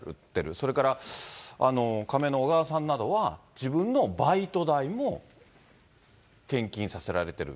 それから仮名の小川さんなどは、自分のバイト代も献金させられてる。